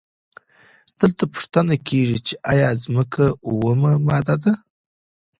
دلته پوښتنه کیږي چې ایا ځمکه اومه ماده ده؟